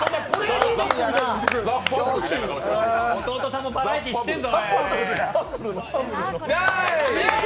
弟さんもバラエティー知ってんぞ。